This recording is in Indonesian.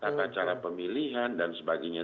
tata cara pemilihan dan sebagainya